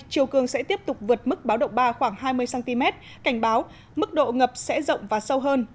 chiều cường sẽ tiếp tục vượt mức báo động ba khoảng hai mươi cm cảnh báo mức độ ngập sẽ rộng và sâu hơn